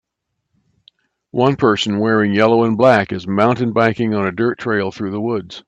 One person wearing yellow and black is mountain biking on a dirt trail through the woods.